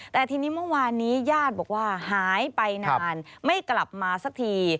แต่ทีนี้เมื่อวานนี้ญาติบอกว่าหายไปนานไม่กลับมาสักที